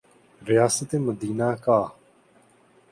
ریاست مدینہ کا۔